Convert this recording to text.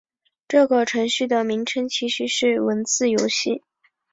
这个程序的名称其实是个文字游戏。